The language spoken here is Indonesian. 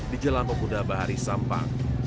di jalan pemuda bahari sampang